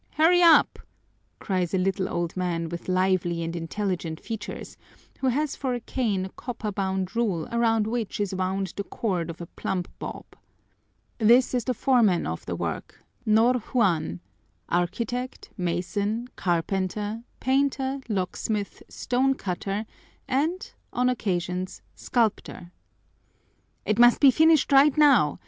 Hurry up!" cries a little old man with lively and intelligent features, who has for a cane a copper bound rule around which is wound the cord of a plumb bob. This is the foreman of the work, Ñor Juan, architect, mason, carpenter, painter, locksmith, stonecutter, and, on occasions, sculptor. "It must be finished right now!